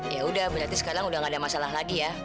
yaudah berarti sekarang udah gak ada masalah lagi ya